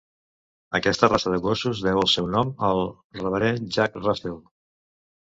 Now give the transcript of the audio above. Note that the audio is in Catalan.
Aquesta raça de gossos deu el seu nom al reverend Jack Russell.